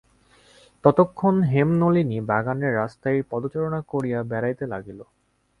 ততক্ষণ হেমনলিনী বাগানের রাস্তায় পদচারণা করিয়া বেড়াইতে লাগিল।